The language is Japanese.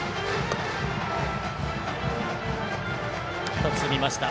１つ、見ました。